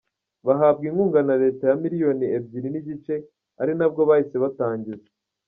bahabwa inkunga na leta ya miliyoni ebyiri n'igice ari nabwo bahise batangiza.